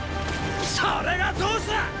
それがどうした！